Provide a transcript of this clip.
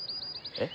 えっ！